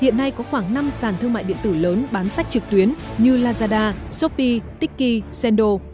các sản thương mại điện tử lớn bán sách trực tuyến như lazada shopee tiki sendo